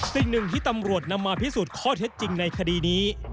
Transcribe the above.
สิ่งหนึ่งที่ตำรวจนำมาพิสูจน์ข้อเท็จจริงในคดีนี้